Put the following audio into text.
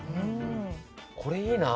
これいいな。